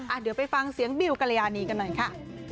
เดี๋ยวไปฟังเสียงบิวกรยานีกันหน่อยค่ะ